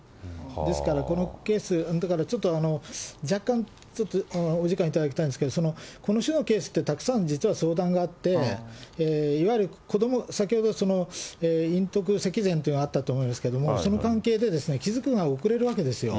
ですからこのケース、だからちょっと若干、お時間いただきたいんですけど、この種のケースって、たくさん実は相談があって、いわゆる、先ほど陰徳積善というのがあったと思いますけど、その関係で、気付くのが遅れるわけですよ。